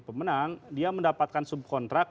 pemenang dia mendapatkan subkontrak